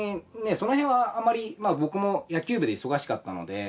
そのへんはあまり僕も野球部で忙しかったので。